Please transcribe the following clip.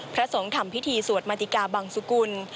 พระสงฆ์ทำพิธีสวดมาติกาบังสุกุล